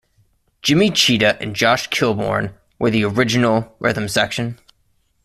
Jimi Cheetah and Josh Kilbourn were the original rhythm section.